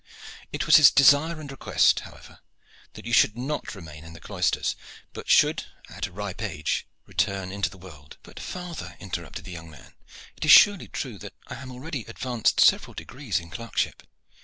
It was his desire and request, however, that you should not remain in the cloisters, but should at a ripe age return into the world." "But, father," interrupted the young man, "it is surely true that I am already advanced several degrees in clerkship?"